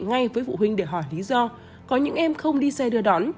ngay với phụ huynh để hỏi lý do có những em không đi xe đưa đón